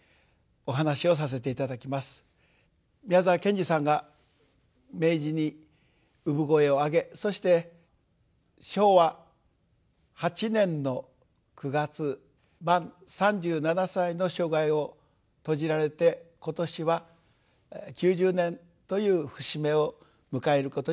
宮沢賢治さんが明治に産声を上げそして昭和８年の９月満３７歳の生涯を閉じられて今年は９０年という節目を迎えることになります。